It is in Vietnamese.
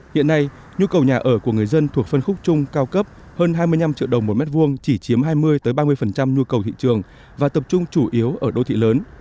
hiện nay nhu cầu nhà ở của người dân thuộc phân khúc trung cao cấp hơn hai mươi năm triệu đồng một mét vuông chỉ chiếm hai mươi ba mươi nhu cầu thị trường và tập trung chủ yếu ở đô thị lớn